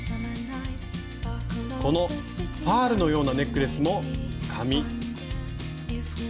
このパールのようなネックレスも紙。